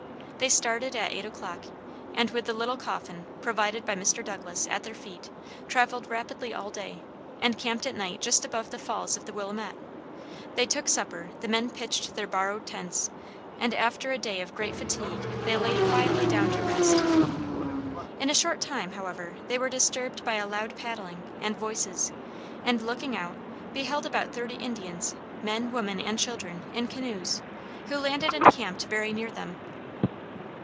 They started at eight o'clock, and with the little coffin, provided by Mr. Douglas, at their feet, traveled rapidly all day, and camped at night just above the falls of the Willamette. They took supper, the men pitched their borrowed tents, and, after a day of great fatigue, they lay quietly down to rest. In a short time, however, they were disturbed by a loud paddling, and voices; and looking out, beheld about thirty Indians, men, women, and children, in canoes, who landed and camped very near them.